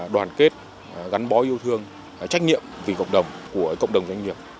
đoàn kết gắn bó yêu thương trách nhiệm vì cộng đồng của cộng đồng doanh nghiệp